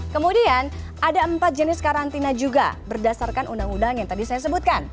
kemudian ada empat jenis karantina juga berdasarkan undang undang yang tadi saya sebutkan